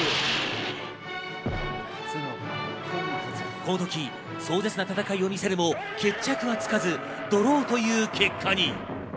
このとき壮絶な戦いを見せるも決着はつかず、ドローという結果に。